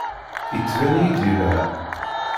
Yettban-iyi-d yelha.